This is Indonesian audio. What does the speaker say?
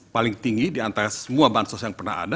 paling tinggi diantara semua bansos yang pernah ada